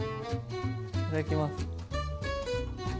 いただきます。